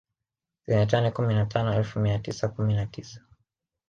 Zenye tani kumi na tano elfu mia tisa kumi na tisa